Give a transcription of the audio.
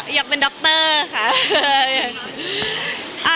อยากเป็นดรค่ะ